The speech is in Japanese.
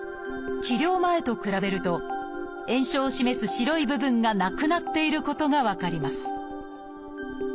治療前と比べると炎症を示す白い部分がなくなっていることが分かります